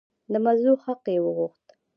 د مظلوم حق یې وغوښت.